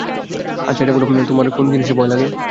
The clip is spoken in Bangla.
আচ্ছা এটা বলো, তোমার কোন জিনিসে ভয় লাগে?